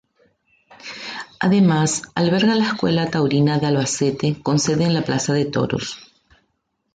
Además, alberga la Escuela Taurina de Albacete, con sede en la Plaza de Toros.